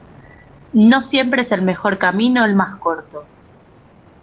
No siempre es el mejor camino el más corto.